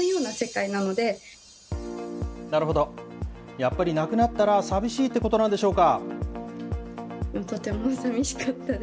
やっぱりなくなったら寂しいってことなんでしょうか。